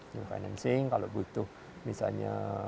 new financing kalau butuh misalnya